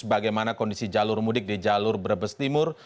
bagaimana kondisi jalur mudik di jalur brebes timur